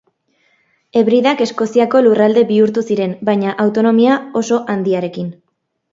Hebridak Eskoziako lurralde bihurtu ziren, baina autonomia oso handiarekin.